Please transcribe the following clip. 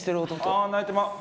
ああ泣いてまう。